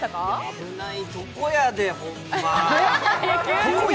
危ないとこやで、ホンマ。